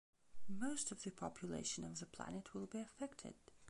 Most of the population of the planet will be affected.